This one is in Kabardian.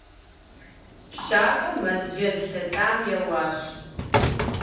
Щакӏуэр мэз джэд лъэтам еуащ.